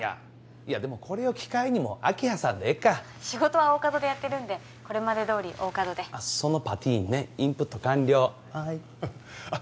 いやでもこれを機会にもう明葉さんでええか仕事は大加戸でやってるんでこれまでどおり大加戸であっそのパティーンねインプット完了はいあっ